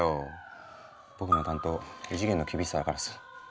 僕の担当異次元の厳しさだからさ。